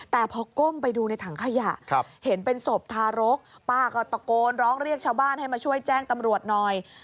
แต่พอก้มไปดูในถังขยะเห็นเป็นศพทารกป้าก็ตะโกนร้องเรียกชาวบ้านให้มาช่วยแจ้งตำรวจหน่อย